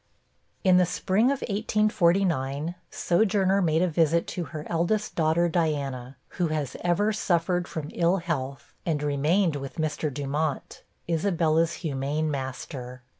In the spring of 1849, Sojourner made a visit to her eldest daughter, Diana, who has ever suffered from ill health, and remained with Mr. Dumont, Isabella's humane master.